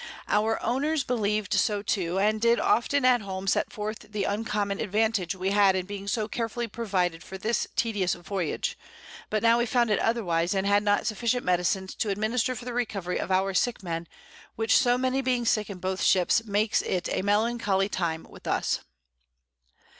Our Owners believed so too, and did often at home set forth the uncommon Advantage we had in being so carefully provided for this tedious Voyage; but now we found it otherwise, and had not sufficient Medicines to administer for the Recovery of our sick Men, which so many being sick in both Ships, makes it a melancholy Time with us.